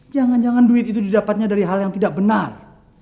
jangan jangan duit itu didapatnya dari hal yang tidak benar